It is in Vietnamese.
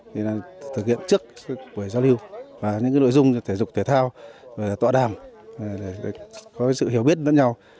thực hiện trước sự giao lưu và những nội dung thể dục thể thao tọa đàm có sự hiểu biết đơn nhau